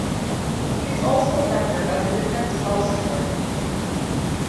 He is also a member of the Defense Policy Board.